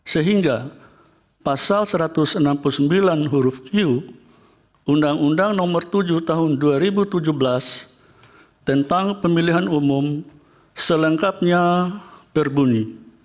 sehingga pasal satu ratus enam puluh sembilan huruf q undang undang nomor tujuh tahun dua ribu tujuh belas tentang pemilihan umum selengkapnya berbunyi